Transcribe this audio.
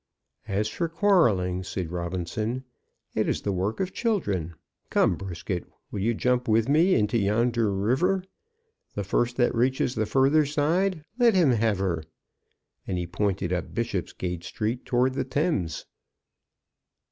"As for quarrelling," said Robinson, "it is the work of children. Come, Brisket, will you jump with me into yonder river? The first that reaches the further side, let him have her!" And he pointed up Bishopsgate Street towards the Thames.